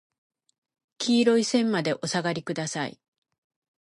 黄色い線までお下がりください。